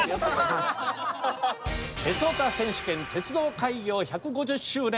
「鉄オタ選手権鉄道開業１５０周年